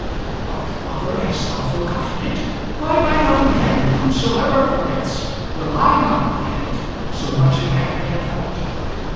"What, father, hast thou forgotten it? By mine own head, whosoever forgets, will I not forget it, so much it hath me at heart.